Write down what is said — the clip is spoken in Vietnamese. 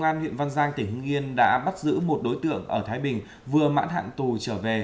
công an huyện văn giang tỉnh hưng yên đã bắt giữ một đối tượng ở thái bình vừa mãn hạn tù trở về